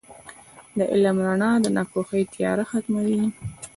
• د علم رڼا د ناپوهۍ تیاره ختموي.